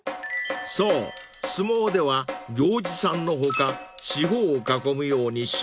［そう相撲では行司さんの他四方を囲むように審判が着席］